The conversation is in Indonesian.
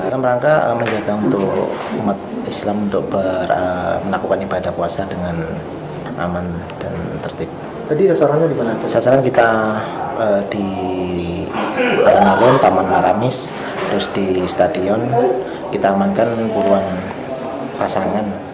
ramangka menjaga untuk umat islam untuk melakukan ibadah puasa dengan aman dan tertentu